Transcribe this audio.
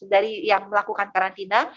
dari yang melakukan karantina